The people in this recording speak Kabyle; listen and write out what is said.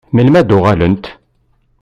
Melmi ad d-uɣalent?